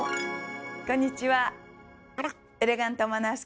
こんにちは。